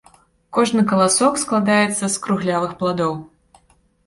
Кожны каласок складаецца з круглявых пладоў.